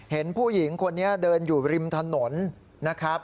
เห็นผู้หญิงคนนี้เดินอยู่ริมถนนนะครับ